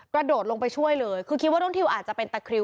กระโดดลงไปช่วยเลยคือคิดว่าน้องทิวอาจจะเป็นตะคริว